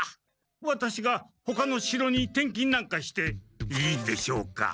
ワタシがほかの城に転勤なんかしていいんでしょうか？